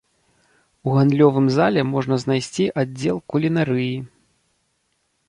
У гандлёвым зале можна знайсці аддзел кулінарыі.